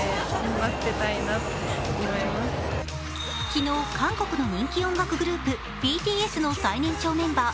昨日、韓国の人気音楽グループ、ＢＴＳの最年長メンバー